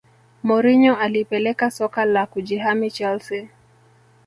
Mourinho alipeleka soka la kujihami chelsea